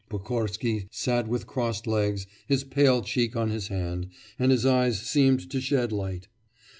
Pokorsky sat with crossed legs, his pale cheek on his hand, and his eyes seemed to shed light.